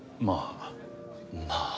「まあ」？